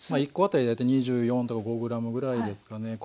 １コ当たり大体２４とか５ｇぐらいですかね。